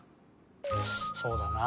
そうだなあ。